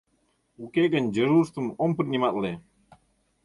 Уке гын дежурствым ом приниматле!